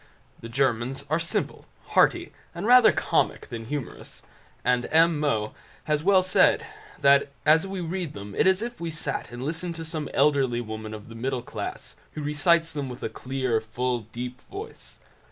The Germans are simple, hearty, and rather comic than humorous; and M. Moe has well said, that as we read them it is as if we sat and listened to some elderly woman of the middle class, who recites them with a clear, full, deep voice.